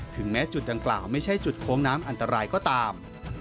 แม้จุดดังกล่าวไม่ใช่จุดโค้งน้ำอันตรายก็ตาม